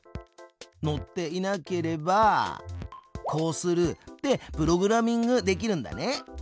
乗っていなければこうするってプログラミングできるんだね。